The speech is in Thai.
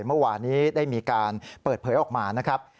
เมื่อวานนี้ได้มีการเปิดเผยออกมานะครับ